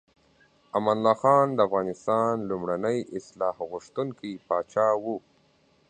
امان الله خان د افغانستان لومړنی اصلاح غوښتونکی پاچا و.